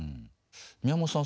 宮本さん